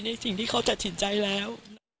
ในสิ่งที่เขาตัดสินใจแล้ว